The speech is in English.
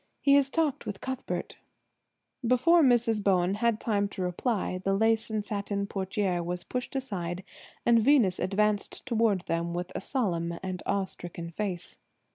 He has talked with Cuthbert." Before Mrs. Bowen had time to reply the lace and satin portière was pushed aside and Venus advanced toward them with a solemn and awe stricken face.